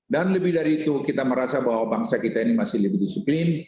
dan lebih dari itu kita merasa bahwa bangsa kita ini masih lebih disiplin